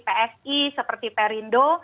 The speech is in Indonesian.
psi seperti perindo